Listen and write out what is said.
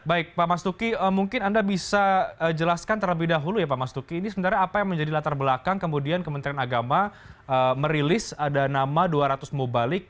baik pak mas duki mungkin anda bisa jelaskan terlebih dahulu ya pak mas duki ini sebenarnya apa yang menjadi latar belakang kemudian kementerian agama merilis ada nama dua ratus mubalik